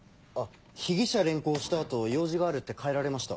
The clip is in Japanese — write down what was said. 被疑者連行した後用事があるって帰られました。